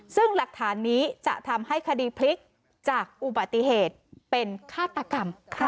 ซึ่งหลักฐานนี้จะทำให้คดีพลิกจากอุบัติเหตุเป็นฆาตกรรม